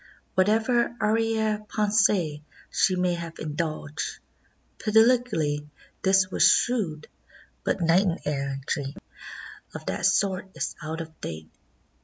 Whatever arriere pensee she may have indulged, politically this was shrewd, but knight errantry of that sort is out of date.